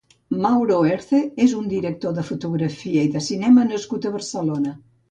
Mauro Herce és un director de fotografia i de cinema nascut a Barcelona.